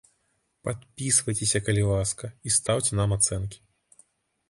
Падпісвайцеся, калі ласка, і стаўце нам ацэнкі!